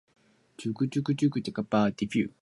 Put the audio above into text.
That same year, Dubufe remarried.